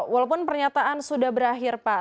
walaupun pernyataan sudah berakhir pak